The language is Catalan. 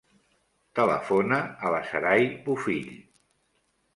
Telefona a la Saray Bofill.